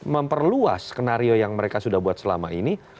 memperluas skenario yang mereka sudah buat selama ini